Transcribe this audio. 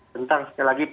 tentang sekali lagi potret